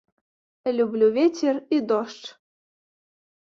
Люблю вецер і дождж.